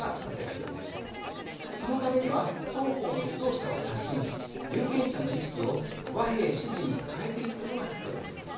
そのためには双方の指導者を刷新し有権者の意識を和平支持に変えてゆくことが必要です。